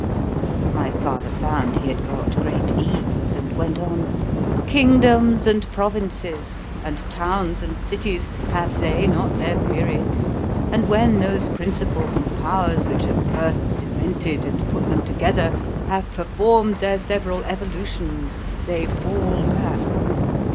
(My father found he got great ease, and went on)—"Kingdoms and provinces, and towns and cities, have they not their periods? and when those principles and powers, which at first cemented and put them together, performed their several evolutions, they fall back."